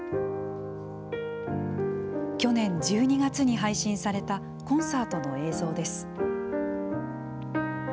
去年１２月に配信されたコンサートの映像です。